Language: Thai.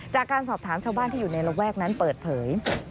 จากการสอบถามชาวบ้านที่อยู่ในระแวกนั้นเปิดเผย